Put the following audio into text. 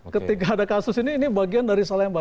ketika ada kasus ini ini bagian dari salemba